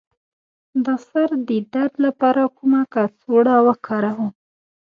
د سر د درد لپاره کومه کڅوړه وکاروم؟